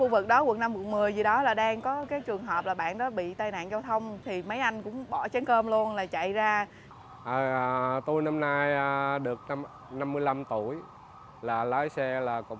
việc bán lá bồ đề này thì mình chỉ thấy lá đẹp